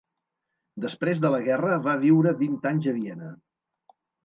Després de la guerra va viure vint anys a Viena.